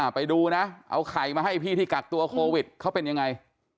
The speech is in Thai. ไปดูนะเอาไข่มาให้พี่ที่กักตัวโควิดเขาเป็นยังไง